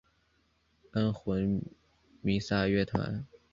安魂弥撒乐团。